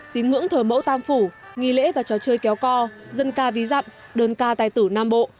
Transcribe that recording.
tín ngưỡng thờ mẫu tam phủ nghi lễ và trò chơi kéo co dân ca ví dặm đơn ca tài tử nam bộ